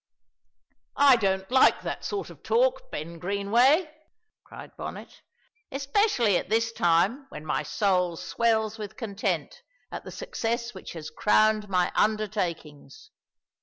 "I don't like that sort of talk, Ben Greenway," cried Bonnet, "especially at this time when my soul swells with content at the success which has crowned my undertakings.